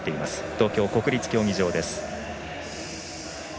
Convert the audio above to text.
東京国立競技場です。